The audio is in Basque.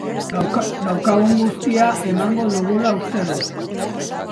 Daukagun guztia emango dugula uste dut.